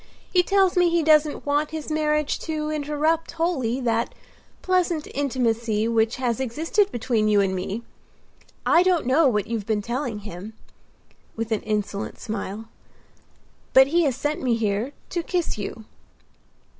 He tells me he doesn't want his marriage to interrupt wholly that pleasant intimacy which has existed between you and me. I don't know what you've been telling him," with an insolent smile, "but he has sent me here to kiss you."